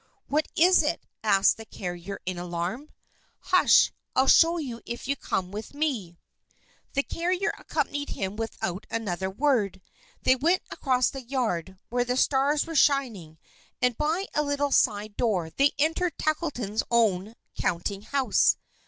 "What is it?" asked the carrier in alarm. "Hush! I'll show you if you'll come with me." The carrier accompanied him without another word. They went across the yard, where the stars were shining, and by a little side door they entered Tackleton's own counting house.